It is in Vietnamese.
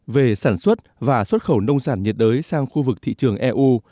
về sản xuất và xuất khẩu nông sản nhiệt đới sang khu vực thị trường eu